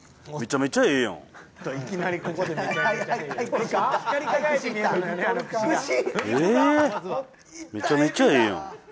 めちゃめちゃええやん。